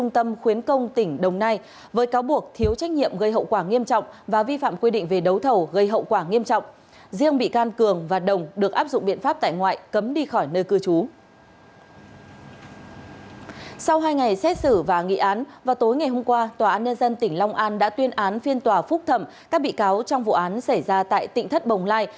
tối ngày hôm qua tòa án nhân dân tỉnh long an đã tuyên án phiên tòa phúc thẩm các bị cáo trong vụ án xảy ra tại tỉnh thất bồng lai